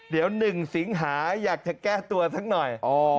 เดี๋ยว๑สิงหาอยากจะแก้ตัวสักหน่อย